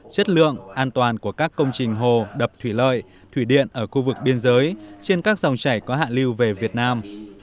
chất lượng an toàn của các công trình hồ đập thủy lợi thủy điện ở khu vực biên giới trên các dòng chảy có hạ lưu về việt nam